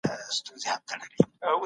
احمد پرون له غره څخه راغلی.